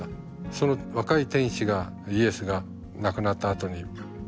その若い天使がイエスが亡くなったあとにサバナだけを置いていった。